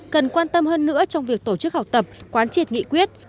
cần quan tâm hơn nữa trong việc tổ chức học tập quán triệt nghị quyết